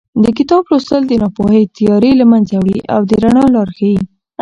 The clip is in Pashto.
د کتاب لوستل د ناپوهۍ تیارې له منځه وړي او د رڼا لار ښیي.